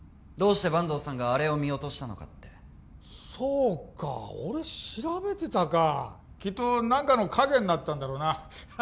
どうして阪東さんがあれを見落としたのかってそうか俺調べてたかきっと何かの影になってたんだろうな